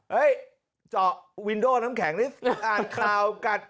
เฮ้ยจอกเวนโดร์น้ำแข็งที่อ่านคราวกัด